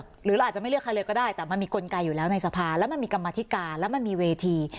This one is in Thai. หรือเราอาจจะไม่เลือกใครเลยก็ได้แต่มันมีกลไกอยู่แล้วในสภาแล้วมันมีกรรมธิการแล้วมันมีเวที